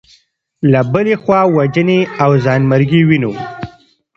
له بلې خوا وژنې او ځانمرګي وینو.